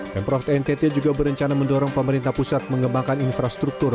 pemprov ntt juga berencana mendorong pemerintah pusat mengembangkan infrastruktur